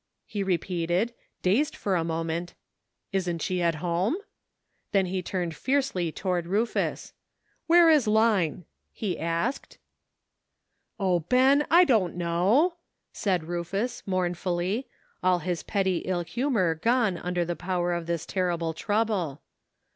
he repeated, dazed for a mo« rnent, "isn't she at home?" then he turned fiercely toward Ruf us. " Where is Line ?" he asked. "O, Ben ! I don't know," said Rufus mourn fully, all his petty ill humor gone under the power of this terrible trouble.